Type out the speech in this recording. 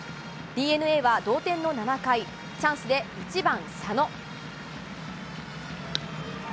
ＤｅＮＡは、同点の７回、チャンスで１番佐野。